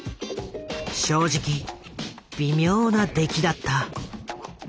正直微妙な出来だった。